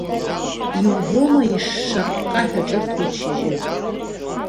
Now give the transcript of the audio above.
Иубома ишшаркка ҳәа ҿырҭуеит шьыжьы.